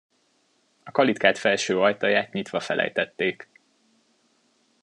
A kalitkád felső ajtaját nyitva felejtették.